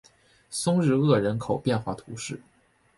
松日厄人口变化图示